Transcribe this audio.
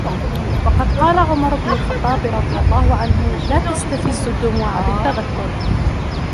وَقَدْ قَالَ عُمَرُ بْنُ الْخَطَّابِ رَضِيَ اللَّهُ عَنْهُ لَا تَسْتَفِزُّوا الدُّمُوعَ بِالتَّذَكُّرِ